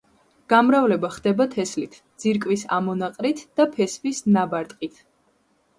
გამრავლება ხდება თესლით, ძირკვის ამონაყრით და ფესვის ნაბარტყით.